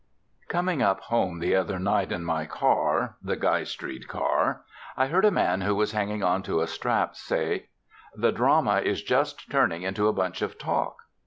Coming up home the other night in my car (the Guy Street car), I heard a man who was hanging onto a strap say: "The drama is just turning into a bunch of talk."